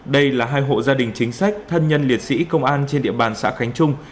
đây là hai hộ gia đình chính sách thân nhân liệt sĩ công an trên địa bàn xã khánh trung